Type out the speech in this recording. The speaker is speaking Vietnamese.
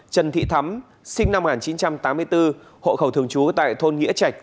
trần thị thắm sinh năm một nghìn chín trăm tám mươi bốn hộ khẩu thường trú tại thôn nghĩa trạch